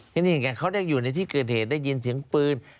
นี่ไงเขาได้อยู่ในที่เกิดเหตุได้ยินเสียงปืน